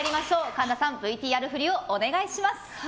神田さん、ＶＴＲ振りをお願いします。